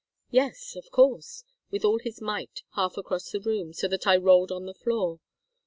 "Yes of course! With all his might, half across the room, so that I rolled on the floor.